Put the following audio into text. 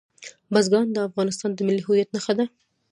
بزګان د افغانستان د ملي هویت نښه ده.